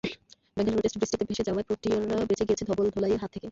Bengaluru test বৃষ্টিতে ভেসে যাওয়ায় প্রোটিয়ারা বেঁচে গিয়েছে ধবল ধোলাইয়ের হাত থেকে।